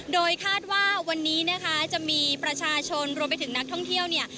โดยคาดว่าวันนี้นะคะจะมีประชาชนรวมไปถึงนักท่องเที่ยวเนี่ย